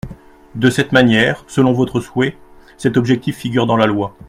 De cette manière, selon votre souhait, cet objectif figure dans la loi.